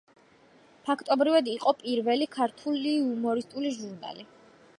ფაქტობრივად იყო პირველი ქართული იუმორისტული ჟურნალი.